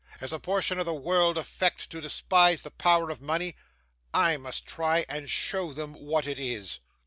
As a portion of the world affect to despise the power of money, I must try and show them what it is.